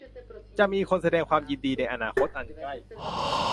จะมีคนแสดงความยินดีในอนาคตอันใกล้